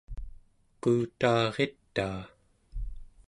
quutaaritaa